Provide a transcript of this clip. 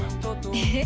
えっ？